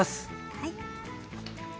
はい。